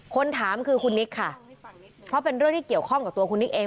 ถามคือคุณนิกค่ะเพราะเป็นเรื่องที่เกี่ยวข้องกับตัวคุณนิกเอง